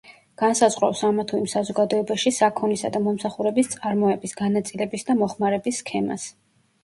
განსაზღვრავს ამა თუ იმ საზოგადოებაში საქონლისა და მომსახურების წარმოების, განაწილების და მოხმარების სქემას.